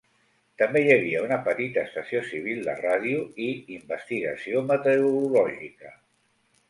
També hi havia una petita estació civil de ràdio i investigació meteorològica.